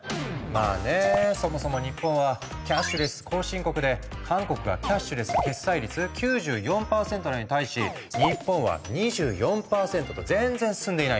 まあねそもそも日本はキャッシュレス後進国で韓国がキャッシュレス決済率９４％なのに対し日本は２４％と全然進んでいないんだ。